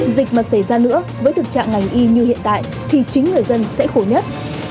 dịch mà xảy ra nữa với thực trạng ngành y như hiện tại thì chính người dân sẽ khổ nhất